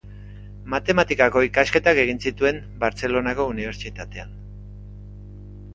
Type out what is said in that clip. Matematikako ikasketak egin zituen Bartzelonako Unibertsitatean.